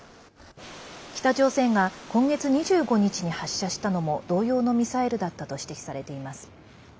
北朝鮮が今月２５日に発射したのも同様のミサイルだったと指摘されています。